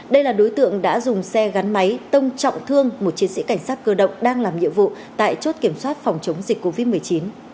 đây là đối tượng đã dùng xe gắn máy tông trọng thương một chiến sĩ cảnh sát cơ động đang làm nhiệm vụ tại chốt kiểm soát phòng chống dịch covid một mươi chín